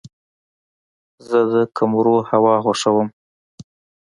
زه د کمرو هوا خوښوم.